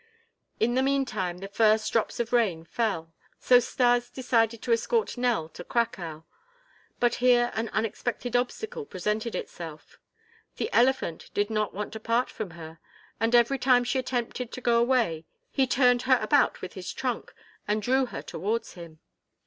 In the meantime the first drops of rain fell; so Stas decided to escort Nell to "Cracow"; but here an unexpected obstacle presented itself. The elephant did not want to part from her and every time she attempted to go away he turned her about with his trunk and drew her towards him.